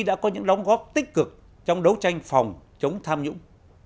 đã có những đóng góp tích cực trong đấu tranh phòng chống tham nhũng